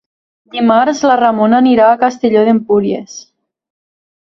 Dimarts na Ramona irà a Castelló d'Empúries.